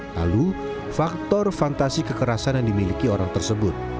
lalu faktor fantasi kekerasan yang dimiliki orang tersebut